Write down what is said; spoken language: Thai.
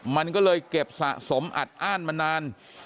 มันก็เลยเก็บสะสมอัดอ้านมานาน